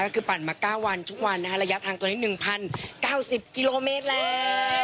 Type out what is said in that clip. ก็คือปั่นมาเก้าวันทุกวันนะคะระยะทางตัวนี้หนึ่งพันเก้าสิบกิโลเมตรแล้ว